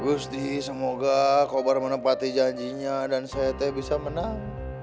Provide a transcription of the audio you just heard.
gusti semoga kho bar menepati janjinya dan saya teh bisa menang